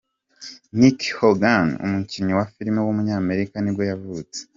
Nick Hogan, umukinnyi wa filime w’umunyamerika ni bwo yavutse.